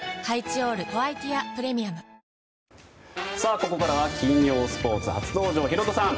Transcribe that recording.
ここからは金曜スポーツ初登場のヒロドさん